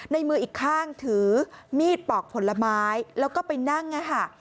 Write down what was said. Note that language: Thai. ในมืออีกข้างถือมีดปอกผลไม้แล้วก็ไปนั่งนะคะ